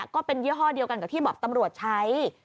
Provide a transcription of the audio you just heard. ก็เป็นยี่ห้อเดียวกันกับที่บอกตำรวจใช้